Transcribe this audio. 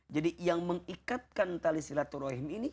jadi yang mengikatkan tali silaturahim ini